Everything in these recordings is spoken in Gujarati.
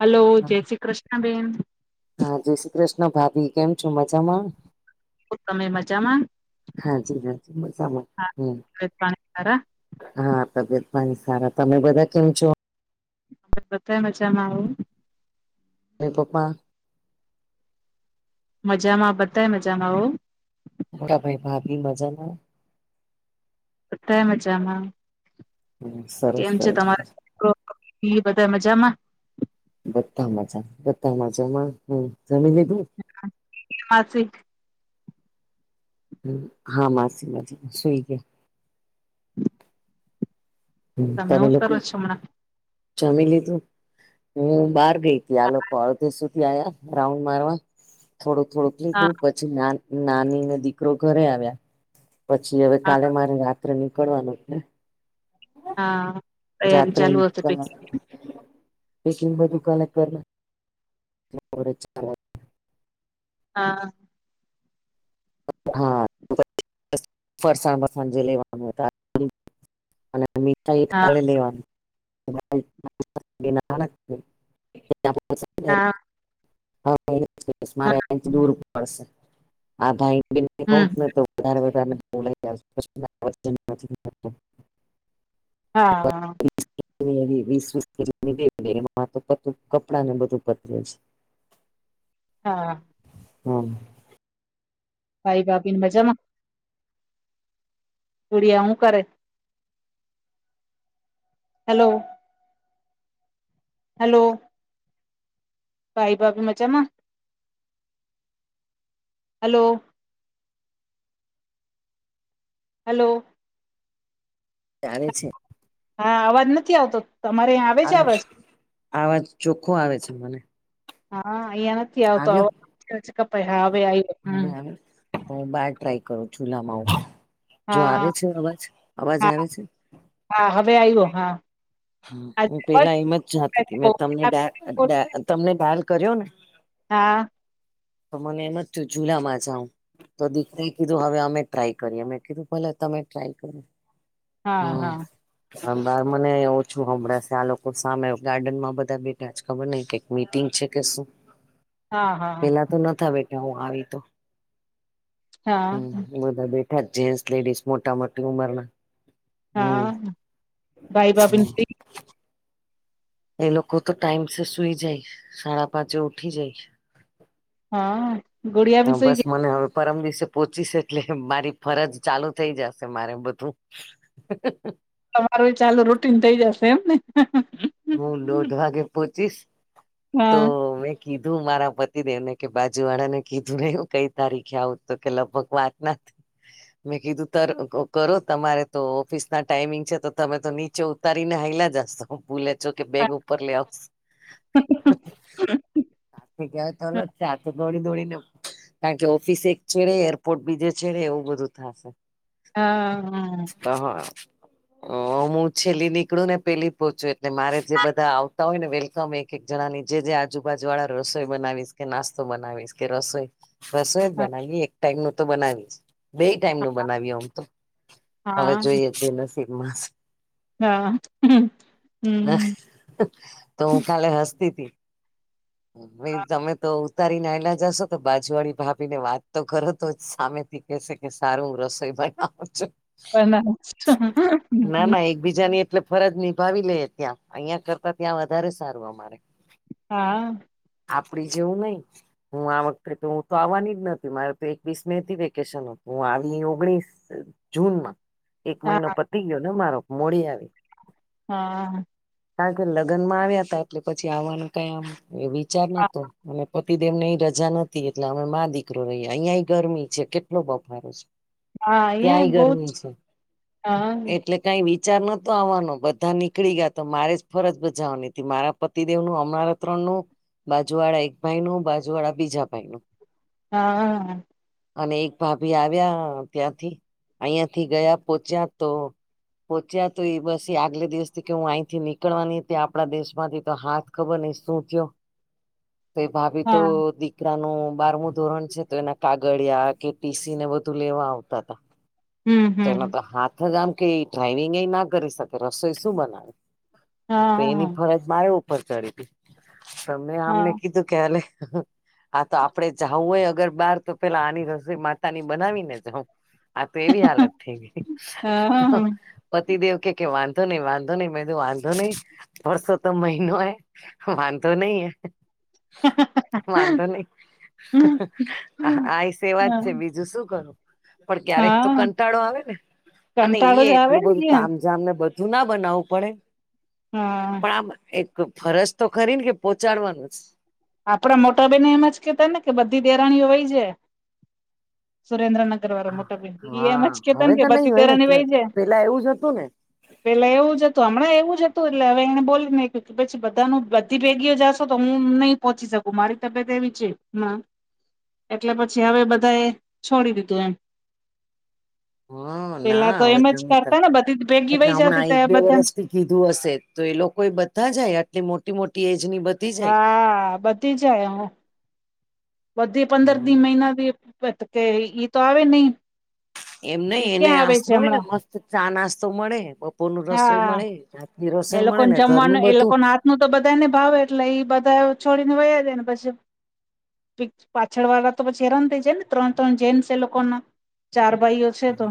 હલો જય શ્રી કૃષ્ણબેન હા જય શ્રી કૃષ્ણ ભાભી કેમ છો મજામાં. તમે મજામાં હા જી મ સામાં હા હમ પાણી સારા. હા તબિયત ની સારા તમે બધા કેમ છો. અ બધાય મજામાં આવું. એ પપ્પા મજામાં બતાય મજામાં હવ. મોટા ભાઈ ભાભી મજા મા. બઘાય મજામાં હ સરસ કેમ છે સરસ તમારા એ બધા મજામાં બામાં બામાંમાં હ જમીન લીધું. પાસ એક. હ હા માસી માસી શુઈ ગયા. હમ તમે હું લોકો. કરો છો હમણાં જમી લીધું હું બહાર ગઈ ત આ લોકો અડધ સુ રાઉન્ડ મારવા થોડુંક થોડુંક હા લીધું પછી. નાની ને દીકરો ઘરે આવ્યા પછી હવે હા કાલે મારી વાત. નીકળવાનું આપણે. હા તૈયારી ચાલુ રાત્રની હશે દુાન પૈકી પેકિંગમાં દુકાન કર [unintelligible] હા. હા, ફરસણવા હતા. અને મીઠા એ હા કાલે લેવાનું. હા [unintelligible] હ હા, મારેથી દૂર પડશે. હમ આને તો વધારેારે બોલા [unintelligible] હા. [unintelligible] એમાં તો પતરું કપડા ને બધું પતરું છે. હા. હમ. ભાઈ, બાબી મજામાં. ગુરિયા હું કરે? હેલો. હલો. ભાઈ, ભાભી મજામાં. હલો. હલો. જાણી છે. હા, અવાજ નથી આવતો તમારે. છે આવે, અવાજ આવાજ ચોખ્ખો આવે છે મને. હા, અહિયાં નથી આવતો આવ્યો કોઈ, હા ભાઈ. હવે આમ હું બાર ટ્રાય કરું, ચૂલામાં હ. જો આવે હા છે અવાજ, અવાજ હા આવે છે. હા, હવે આવ્યો હા. આજે હું અવાજ પેલા એમ જ જાતી હતી, મે તમને હા તમને ડાલ કર્યો ને. હા. તો મને એમ જ જુલામાં જાઉ. તો દીકરા કીધું, હવે અમે ટ્રાય કરી. અમે કીધું, ભલે તમે ટ્રાય કરે. હા હમ, હા બાર મને એવું હું હમણાં લોકો સામે ગાર્ડનમાં બધા બેઠા જ ખબર ન કે મીટિંગ છે કે શું. હ. [unintelligible] પેલા તો ન બેઠા, હું આવી તો હમ હા બધું. બેઠા જેન્ટસ, લેડીસ, મોટા મોટી ઉંમરના. હમ હા ભાઈ ભાભી હમ થી. એ લોકો તો ટાઈમ સ સુઈ જાય, સાડા પાંચે ઉઠી જાય. હા, ગુડીયા બી હા સુઈ બસ ગઈ. મને હવે પરમ દિવસે પહોચવુ છે, એટલે મારી ફરજ ચાલુ થઈ જશે, મારે બધું. હ હ હ. તમારું ચાલુ રૂટીન થઇ જશે એમ ને. હું દોઢ વાગે પોહચીશ તો હા મેં. કીધું મારા પતિદેવને કે, બાજુ વાળા ને કીધું ને, હું કઈ તારીખે આવું તો કે લગભગ વાત ના. મેં કીધું, તો કરો, તમારે તો ઓફિસ ના ટાઈમિંગ છે, તો તમે તો નીચે તારી નાહેલા જશે, પૂલે. જો કે, બેગ હા ઉપર લે આવે, સાથે ગયા તો. દોડી દોડીને, કારણ કે ઓફિસ એક છેડે, એરપોર્ટ બીજે છેડે, એવું બધું થશે. હા, હા. હ, હું છેલ્લી નીકળું ને, પેલી પોહોચું એટલે મારે જે બધા. તો હોય ને, વેલકમ એક એક જણાની, જે આજુબાજુ વાળા રસોઈ બનાવીશ કે નાસ્તો બનાવીશ કે રસોઈ. રસોઇ હા બનાવીએ, એક ટાઈમ નું તો બનાવીશ. બે ટાઈમ નું બનાવ્યું, આમ તો હા હવે જોઈએ છે નસીબમાં‌. હા. હમ તો હું ખાલે હસતી ત તમે તો. ઉતારી હાયલા જશો તો બાજુ વાળી ભાભી ને વાત તો કરો તો જ સામેથી કેશે કે સારું રસોઈ ભાઈ. અચ્છા. પણ ના ના એકબીજાની. એટલે ફરજ નિભાવી લઈએ, ત્યાં. અહિયાં કરતા ત્યાં વધારે સારું અમારે. હા. આપડી જેવું નઈ. હું આ વખતે હું તો આવવાની જ નથી મારે તો એકવીસ મે હતી વેકેશન હું આવી ઓગણીસ. જૂનમાં એક હા મહિનો પતી ગયો ને મારો મોડી આવી. હા. કારણ કે લગ્નમાં આવ્યા હતા એટલે પછી આવવાનું કઈ આમ એ વિચાર નતો અને. પતિ દમને અ રજા નથી એટલે અમે મા દીકરો રહીએ અહિયાં ગરમી છે કેટલો બફારો છે. હા એ ત્યાંય બહુ જ ગરમી છે હા એટલે. કઈ વિચાર નતો આવવાનો બધા નીકળી ગયા તો મારે જ ફરજ બજાવવાની મારા. પતિદેવનુંું હમણારા ત્રણ નું બાજુ વાળા એક ભાઈ નું બાજુ વાળા બીજા ભાઈનુંું હા. અને એક ભાભી આવ્યા ત્યાંથી અહંથી ગયા પોહચ્યા તો. પોહોંચ્યા તો એ બસ એ આગલે દિવસથી કે હું અહીંથી નીકળવાની હતી આપણા દેશ માંથી તો હાથ. ખબર નઈ શું થયો તો ભાભી તો હા દી દીકરાનું બારમું ધોરણ છે તો એના કાગળિયા કે પીસીને બધું લેવા આવતા હતા. હમ તેનો હમ તો હાથ જ આમ કે ડ્રાઈવિંગ એ ના કરી શકે રસોઈ શું બનાવે. પ એની હા ફરજ મારે ઉપર ચડી હતી તમે આમને હા કીધું કે. હા તો આપડે જઉં હોય અગર બહાર તો પેલા આની રસોઈ માતા ની બનાવી ને જઉં. આા તો એવી હાલત થઈ ગઈ. હા પતિદેવ કે કે વાંધો નહી વાંધો નહી મેધું વાંધો નહીિ. વર્સો તો મહિનો હ વાંધતો નહીિ હ. વાંધો નહી. આઈ સેવા જ છે બીજું શું કરું. પણ ક્યારેક તો હા કંટાળો આવે ને અને કંટાળો ઈ જ આવે એટલું ને બધું યાર તામ. મને બધું ના બનાવવું પડે હા પણ આમ એક ફરજ તો ખરી ને કે. પહોચાડવાનું જ. આપડા મોટા બેને એમ જ કેતા ને કે બધી દેરાણીઓ હોય જાય સુરેન્દ્રનગર. અગરવાો મોટા ભિ એ એમ જ હા કે ત હવે કે તો નઈ બધી હોય ને તરની કે વાય છે. પેલા એવું જ હતું ને પેલા એવું જ હતું હમણાં એવું જ હતું એટલે હવે એને બોલીને્યું કે પછી બધાનું બધી ભેગીઓ જાશો તો હું ન. પોહોચી શકું મારી તબિયત એવી છે હ. એટલે પછી હવે બધા એ છોડી દીધું એમ. હા પેલા ના તો હવે એમ જ નહી થાય. કરતા ને બધી ભેગી એટલે વય જતી હમણાં ત એક બે બધા. વર્ષથી કીધું હશે તો એ લોકો એ બધા જાય આટલી મોટી મોટી એજ ની બધ. હા બધી જાય હું. બધી પંદર જાય દી મહિના કે ઈ તો આવે નહી. એમ નહ એ એને ક્યાં આવે આસ્તો છે હોય ને હમણાં મસ્ત ચા નાસ્તો મળે બપોર ન રસોઈ હા મળે. આતલી રસોઈ મળે ને ઘરનું બધું. નું તો બધા ને ભાવે એટલે એ બધા છોડીને વયા જે ને પછી. પાછળ વાળા તો પછ હેરામ થઈ જાય ને ત્રણ‌ ત્રણ જેન્ટસ એ લોકો ના ચાર ભાઈઓ છે તો.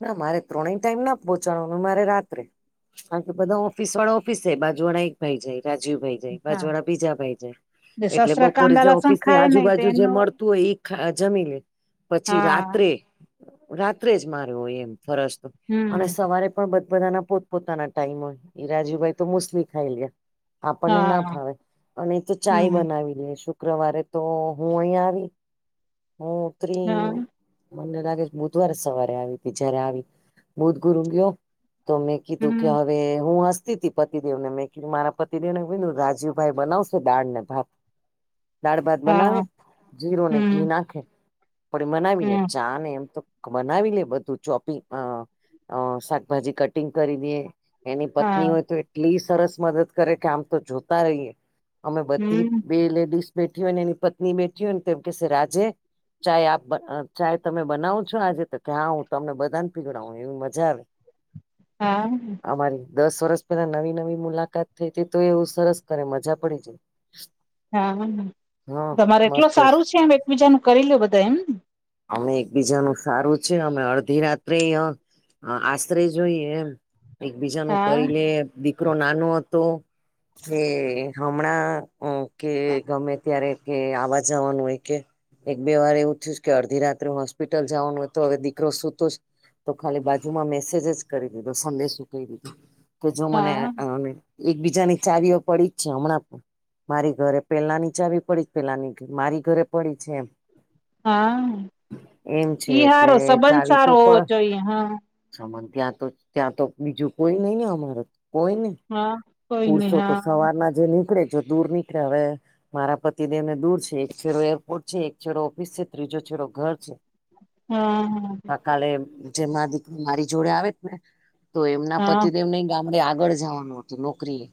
ના મારે ત્રણેય ટાઈમ ના પહોંચાડવાનું મારે રાત્રે. કારકી બધા ઓફિસ વાળા ઓફિસ છે બાજુ વાળા એક ભાઈ જાય. રાજીવ પજાય હા પાજવાડા પીઝા પજાય. જે એટલે સસરા બપોરે કાંદા જે લસણ ઓફિસ ની ખાય નહ તો આજુબાજુ જે એનું મળતું હોય જમી લ. પછી હા રાત્રે રાત્રે જ માર હોય એમ ફરજ તો અને હમ સવારે. પણ બ બધા ના પોત પોતાના ટાઈમ હોય ઈ રાજુ ભાઈ તો મુસ્લી ખાઈ લે આપણને ના હા ફાવે અને એ તો ચાય હમ બનાવી લે શુક્રવારે તો હું અહીયાં આવી હું ઉતરી હા મને લાગે. બુધવાર સવારે આવી ત જયારે આવી બધ ગુરું ગયો. તો મેં કીધું હમ કે હવે હું હ. પતિદેવને મેં કીધું મારા પતિદેવ ને રાજીવભાઈ બનાવશે દાળ ને ભાત. દાળ ભાત બનાવે હા જીરો ને ઘી હમ નાખે પડી બનાવી લે હમ ચા ને એમ તો બનાવી લે બધું ચોપિંગ અ શાકભાજી કટિંગ કરી દે એની પત્ની હા હોય તો એટલી સરસ મદદ કરે કે આમ તો જોતા રહીએ અમે બધી હમ બે લેડીસ બેઠી હોયને એની પત્ની બેઠી હોય ને તેમ કેહેશે રાજે ચાય આપ ચાય તમે બનાવ છો જો આજે તો ત્યાં હું તમને બધાને પીવડાવું એવી મજા આવે હા. અમારી દસ વર્ષ પેલા નવી નવી મુલાકાત થઈ હતી તો એવું સરસ કરે મજા પડી જાય. [inaudible] હા, હા તમારે એટલ મસ્ત સારું છે એમ એકબીજા ન કરી લે બધા એમને. અમે એકબીજા ન સારું છે અમે અડધી રાત્રે હ આશરે જોઈએ એમ, એકબીજા ન હા કરી લે દીકરો નાનો હતો. કે હમણાં કે ગમે ત્યારે કે આવવા જવાનું હોય કે. એક બે વાર એવું થયું કે અડધી રાત્રે હોસ્પિટલ જવાનું હોય તો હવે દીકરો સુતું જ તો ખાલી બાજુમાં મેસેજ જ કરી દીધો, સંદેશું કહી દીધું કે જો મને હા એકબીજા ની ચાવીઓ પડી જ છે હમણાં પણ મારી ઘરે પેલા ની ચાવી પડી પેલાની મારી ઘરે પડી છે એમ. હા, એમ છે ઈ એટલે સારો સંબંધ ચાવી તો સારો પ હોવો છો હા. ત્યાં તો ત્યાં તો બીજું કોઈ નઈ ને અમારે કોઈ નઈ. હા કોઈ નહી પુરસો તો હા સવારના જે નીકળે જો દૂર નીકળે હવે મારા પતિદેવને દૂર છે એક છેરો એરપોર્ટ છે એક છેડો ઓફિસ છે ત્રીજો છેડો ઘર છે. હમ હા. કલે જેમાં દીકરી મારી જોડે આવે ને, તો એમના હા પતિદેવ નઈ ગામ આગળ જવાનું હતું નોકરી,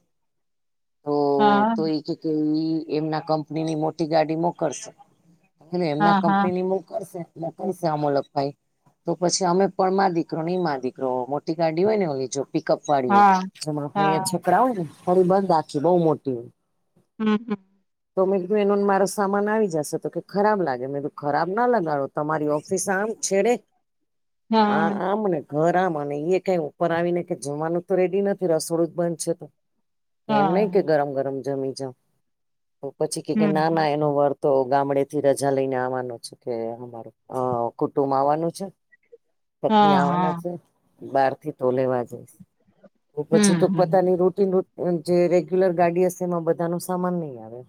હા તો કે કેઈ એમના કંપનીની મોટી ગાડી મોકલશે. એ એમના હા હા કંપની ની મ કરશેકશે અમોલક ભાઈ, તો પછી અમે પણ મારી દીકરો નહી માં દીકરો મોટી ગાડી હોય, નેજો પિકઅપ વા હોય હા એમાં આપડે હા અયા છકડા આવ ને. ખરી બંધ રાખી બઉુ મોટી. હમ હમ. તો મેં કીધું એનોને મારો સામાન આવી જશે તો કે ખરાબ લાગે મેં ખરાબ ના લગાડો. તમારી ઓફિસ આમ છેડે. [inaudible] હા. આમ ને ઘર આમ અને એ કઈ ઉપર આવીને કે જમવાનું તો રેડી નથી રસોડું જ બંધ છે તો. કે એમ નહી હા કે ગરમ ગરમ જમી જાવ, પછી કે હમ ના ના એનો વર્થ તો ગામડે થી રજા લઈને આવવાનો છે કે અમારું કુટુંબ આવવાનું છે. હા ચટની હા આવવાના છે, બહાર થી તો લેવા જઈશ. પછી તો હમ પોતાની રૂટીન જે રેગ્યુલર ગાડી હશે એમાં બધા ન સામાન નહી આવે.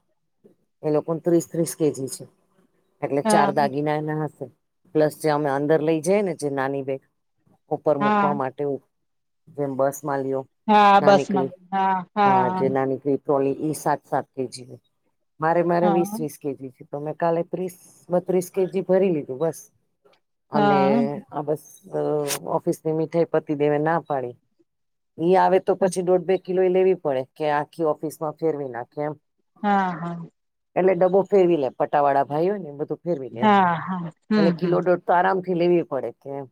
એ લોકો ત્રીસ ત્રીસ કેજી છે. એટલે ચાર હા દાગીના એના હશે પ્લસ જે અમે અંદર લઈ જઈ ને જે નાની બે. ઉપર મૂકવા હા માટે જેમ બસ માં લ્યો. હા બસ નાનીકળી, મલે હા જે નાનીકળી. ટ્રોલી સાત સાત કે જ, મારે મારે વીસ હા વીસ તો મે કાલે ત્રીસ બત્રીસ કેજી ભરી લીધું બસ અમને. હા હા આા બસ ઓફિસ ની મીઠાઈ પતી દેવે ના પાડી. આવે તો પછી દોઢ બે કિલો એ લેવી પડે કે આખી ઓફિસમાં ફેરવી નાખ એમ. હા હા. એટલે ડબો ફેરવી લે પટાવાળા ભાઈ હોય ને એ બધું ફેરવી લે, હા હા હમ એટલે હમ કિલોટ તો આરામથી લેવી પડે કેમ.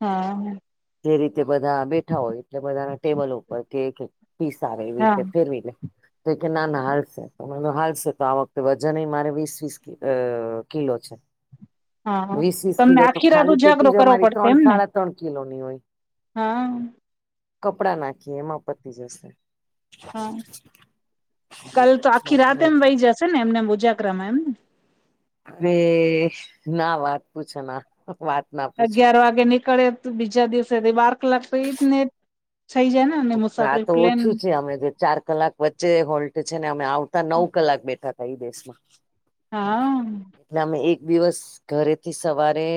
હા. જે રીતે બધા બેઠા હોય એટલે બધાના ટેબલ ઉપર કે ફી સાર હા ફરવી દે. તો કે ના ના હાલશે મ હાલશે તો આ વખતે વજન મારે વીસ વીસ કિલો છે. હા વીસ વીસ તમને આખી રા બ જાગડું કરવો પડશે એમ ને. તણકી લાવની હોય. હા. કપડાં નાખીએ એમાં પતી જશે. હા કાલ તો આખી રાતે એમ વહી જશે ને એમનેમ ઉજાગરામાં એમને. હ ના વાત પૂછો ના વાત. ના પૂછો અગિયાર વાગે નીકળે બીજા દિવસે બાર કલાક તો એ જ ને થઈ જાય ને. અને તો આ મુસાફરી તો પ્લેન ઓછું છે અમે તો. ચાર કલાક વચ્ચે હોલ્ટ છે ને અમે આવતા નવ કલાક બેઠા તા એ દેશમાં. હા. એટલે અમે એક દિવસ ઘરેથી સવારે.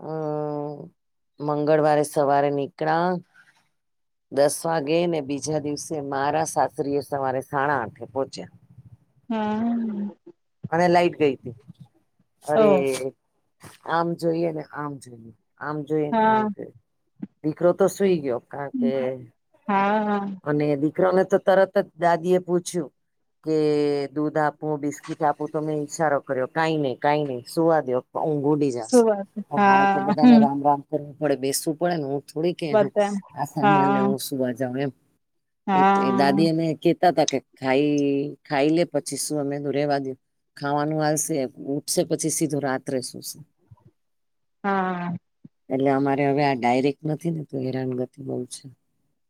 હમ મંગળવારે સવારે નીકળા. દસ વાગે ને બીજા દિવસે મારા સાતરીઓ સવારે સાડા આઠે પોહોંચ્યા. હમ. અને લાઈટ ગઈ હતી ઓ અરે આમ જોઈએ આમ જોઈએ. આમ જોઈ ને હા આમ જોઈ દીકરો તો સુઈ ગયો. કાર કે હા અને દી. દીકરોને તો તરત જ દાદી એ પૂછ્યું કે દૂધ આપું બિસ્કીટ આપું તમે ઈશારો કર્યો કઈ નઈ કાઈ નઈં સુુવા દો ઊઘૂડી શું જશે વાત પણ હરે તો હા બધાને હમ રામ રામ કરવા પડે બેસવું પડે ને હું થોડી કે બધા આ સામાનને હા હું સુવા જઉં એમ એ એ દાદી હા અમે કેતા હતા કે ખાઈ ખાઈ લે પછી શું અમે તો રેવા દે ખાવાનું આવશે ઉઠશે પછી સીધું રાત્રે સુશે હા. એટલે અમારે હવે આ ડાયરેક્ટ નથી ને તો હેરાનગતિ બહુ છે.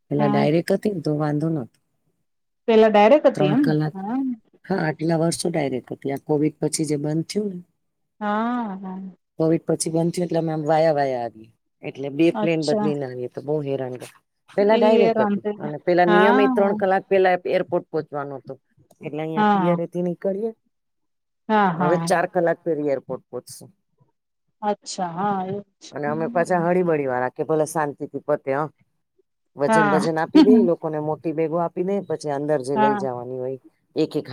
પેલા હા ડાયરેક્ટ હતી તોું વાંધો ન હતો. પેલા ડાયરેક્ટ હતી એમને હ હા આટલા વર્ષો ડાયરેક્ટ હતી આ કોવિડ પછી જે બંધ થયું ને હા હા. કોવિડ પછી બમ્યું એટલેમેમ વાયા વાયા આવી એટલે બે પ્લેન અચ્છા બદલીને આવી બહ હેરાન પેલા એ ડાયરેક્ટ હતી રાંધે અને પેલા હા નિયમ એ ત્રણ કલાક પેલા એરપોર્ટ પહોચવાનું હતોું એટલે અહિયાં હા પીયરથી નીકળી હા હવે હા ચાર કલાક પેરી એરપોર્ટ પહોચશે અચ્છા હા એ જ અને અમે પાછા હળીબળી વાળા કે ભલે શાંતિ થી પતે અ વજન હા વજન આપી દે લોકો- લોકોને મોટી બેેગો આપી દે પછી અંદર જે હા લઈ જવાની હોય એક એક